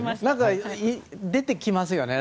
出てきますよね。